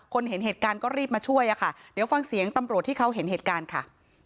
เห็นเหตุการณ์ก็รีบมาช่วยอะค่ะเดี๋ยวฟังเสียงตำรวจที่เขาเห็นเหตุการณ์ค่ะ